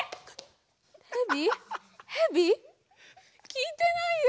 聞いてないよ。